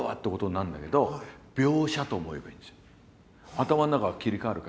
頭の中が切り替わるから。